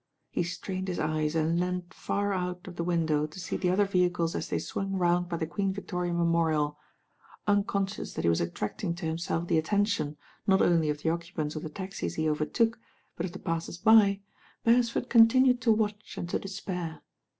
He strained his eyes and leaned far out of the window to see the other vehicles as they swung round by the Queen Victoria Memorial. Unconscious that he was attracting to himself the attention, not only of the occupants of the taxis he overtook, but of the passers by, Beresford continued to watch and to de spair.